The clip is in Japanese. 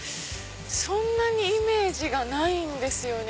そんなにイメージがないんですよね。